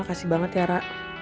makasih banget yara